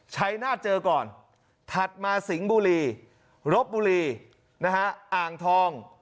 ใช้หน้าเจอก่อนถัดมาสิงบุรีรบบุรีอ่างทอง